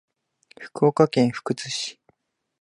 福岡県福津市